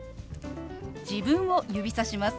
自分を指さします。